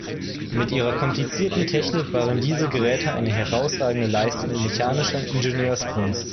Mit ihrer komplizierten Technik waren diese Geräte eine herausragende Leistung mechanischer Ingenieurskunst.